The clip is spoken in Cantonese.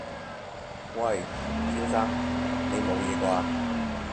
喂！先生！你冇嘢啩？